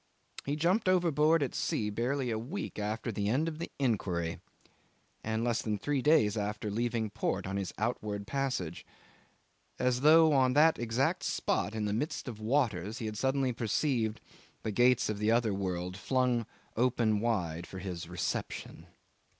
He jumped overboard at sea barely a week after the end of the inquiry, and less than three days after leaving port on his outward passage; as though on that exact spot in the midst of waters he had suddenly perceived the gates of the other world flung open wide for his reception.